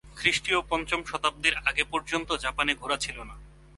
খ্রিষ্টীয় পঞ্চম শতাব্দীর আগে পর্যন্ত জাপানে ঘোড়া ছিল না।